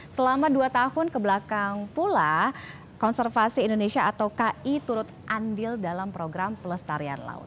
selama dua tahun kebelakang pula konservasi indonesia atau ki turut andil dalam program pelestarian laut